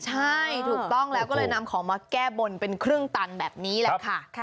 ใช่ถูกต้องแล้วก็เลยนำของมาแก้บนเป็นครึ่งตันแบบนี้แหละค่ะ